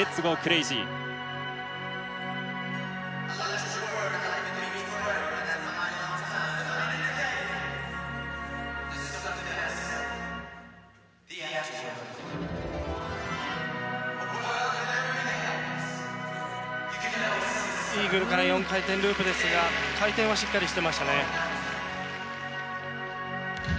イーグルから４回転ループですが回転はしっかりしてましたね。